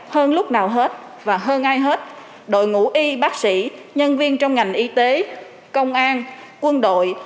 hơn lúc nào hết và hơn ai hết đội ngũ y bác sĩ nhân viên trong ngành y tế công an quân đội